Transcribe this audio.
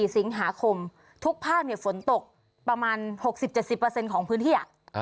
๔สิงหาคมทุกภาคฝนตกประมาณ๖๐๗๐ของพื้นที่